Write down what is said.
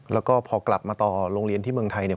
แล้วก็พอกลับมาต่อโรงเรียนที่เมืองไทยเนี่ย